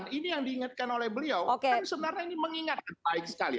dan ini yang diingatkan oleh beliau kan sebenarnya ini mengingatkan baik sekali